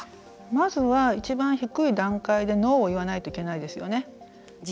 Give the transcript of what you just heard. まずは一番低い段階でノーを言わないといけないです。